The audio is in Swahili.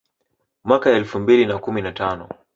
Mwaka elfu mbili na kumi na tano